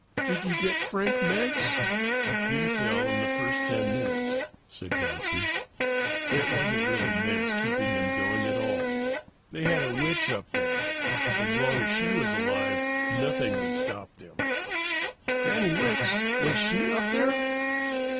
"Did you get Frank Meggs?" "He fell in the first 10 minutes," said Johnson. "It wasn't really Meggs keeping them going at all. They had a witch up there. As long as she was alive nothing would stop them." "Granny Wicks! Was she up there?"